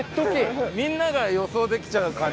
みんなが予想できちゃう感じね